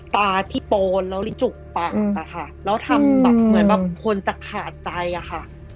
ตาพี่โปนแล้วลิจุกปากอะค่ะแล้วทำแบบเหมือนแบบคนจะขาดใจอะค่ะ